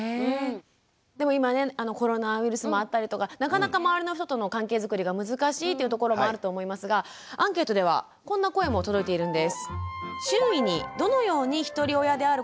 でも今ねコロナウイルスもあったりとかなかなか周りの人との関係づくりが難しいというところもあると思いますがアンケートではこんな声も届いているんです。